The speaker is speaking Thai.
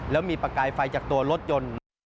แล้วมีประกายไฟจากตัวรถยนต์